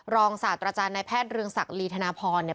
รองศาจรรยาในแพทย์เรืองศักดิ์ศนีรีธนพรเนี่ย